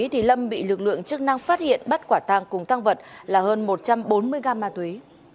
thì lâm bị lực lượng chức năng phát hiện bắt quả tàng cùng tăng vật là hơn một trăm bốn mươi gram ma túy